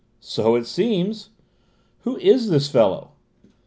"So it seems." "Who is the fellow?"